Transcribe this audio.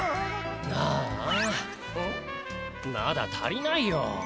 まだ足りないよ。